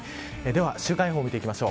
では週間予報です。